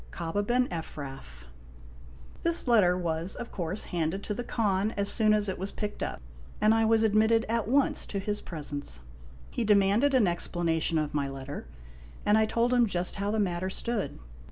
KABA BEN EPHRAF. This letter was of course handed to the Khan as soon as it was picked up, and I was admitted at once to his presence. He demanded an explanation of my letter, and I told him just how the matter stood.